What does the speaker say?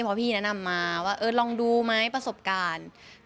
เพราะพี่แนะนำมาว่าลองดูไหมประสบการณ์